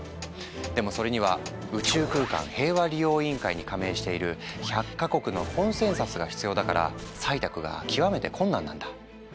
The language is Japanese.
でもそれには宇宙空間平和利用委員会に加盟している１００か国のコンセンサスが必要だから採択が極めて困難なんだ。